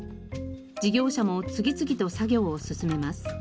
事業者も次々と作業を進めます。